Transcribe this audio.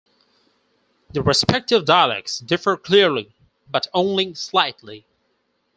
The respective dialects differ clearly, but only slightly.